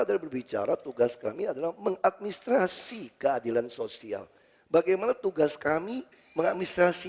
adalah berbicara tugas kami adalah mengadministrasi keadilan sosial bagaimana tugas kami mengadministrasi